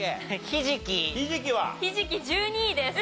ひじき１２位です。